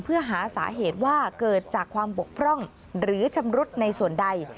เพื่อหาสาเหตุว่าเกิดจากความบกพร่องหรือชำรุดในส่วนใด